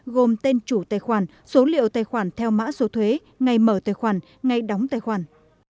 gồm tên chủ tài khoản số liệu tài khoản theo mã số thuế ngày mở tài khoản ngày đóng tài khoản